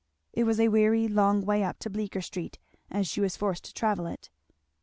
It was a weary long way up to Bleecker street, as she was forced to travel it.